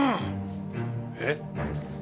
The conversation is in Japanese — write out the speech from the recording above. えっ？